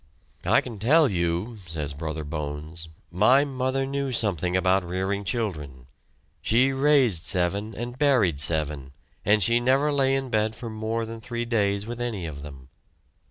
"I can tell you," says Brother Bones, "my mother knew something about rearing children; she raised seven and buried seven, and she never lay in bed for more than three days with any of them.